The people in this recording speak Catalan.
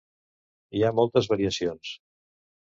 Hi ha moltes variacions.